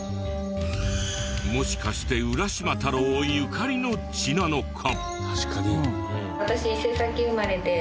もしかして浦島太郎ゆかりの地なのか！？